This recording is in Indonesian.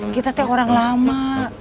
kita tuh orang lama